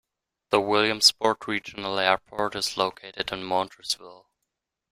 The Williamsport Regional Airport is located in Montoursville.